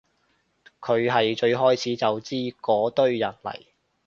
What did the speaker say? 佢係最開始就知嗰堆人嚟